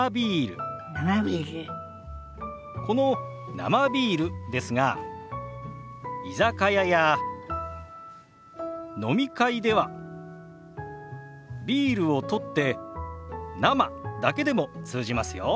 この「生ビール」ですが居酒屋や飲み会では「ビール」を取って「生」だけでも通じますよ。